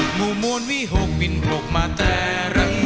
หมู่มวลวิหกวินปลกมาแต่รักมี